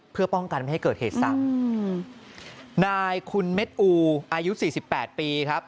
เพื่อป้องกันไม่ให้เกิดเหตุสรรคนายคุณเม็ดอูอายุ๔๘ปีครับ